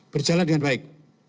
berjalan dengan baik